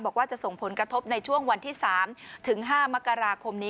บอกว่าจะส่งผลกระทบในช่วงวันที่๓ถึง๕มกราคมนี้